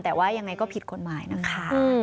แต่ว่ายังไงก็ผิดกฎหมายนะคะ